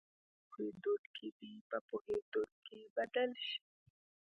نه پوهېدونکي دې په پوهېدونکي بدل شي.